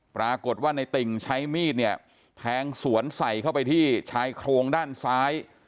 ปรากฏว่าในติ่งใช้มีดเนี่ยแทงสวนใส่เข้าไปที่ชายโครงด้านซ้าย